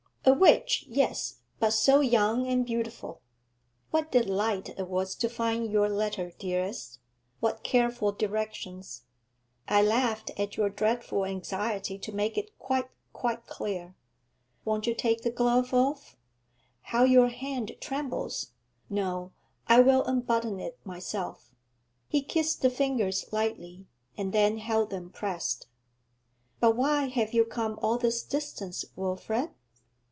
'A witch, yes; but so young and beautiful. What delight it was to find your letter, dearest! What careful directions! I laughed at your dreadful anxiety to make it quite, quite clear. Won't you take the glove off? How your hand trembles; no, I will unbutton it myself.' He kissed the fingers lightly, and then held them pressed. 'But why have you come all this distance, Wilfrid?'